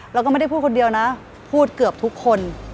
แล้วก็ไม่ได้พูดคนเดียวนะพูดเกือบทุกคน